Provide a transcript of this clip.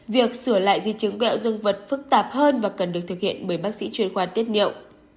việc sửa lại di chứng quẹo dương vật phức tạp hơn và cần được thực hiện bởi bác sĩ truyền khoa tiết niệm